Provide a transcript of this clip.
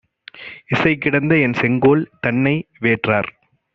இசைகிடந்த என்செங்கோல் தன்னை வேற்றார்